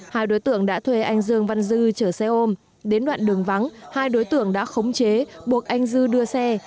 hai đối tượng đã thuê anh dương văn dư chở xe ôm đến đoạn đường vắng hai đối tượng đã khống chế buộc anh dư đưa xe